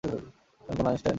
আমি কোনো আইনস্টাইন না।